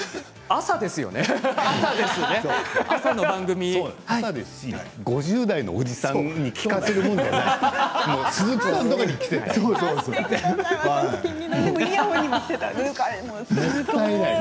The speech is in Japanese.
朝ですし５０代のおじさんに聞かせるものではない。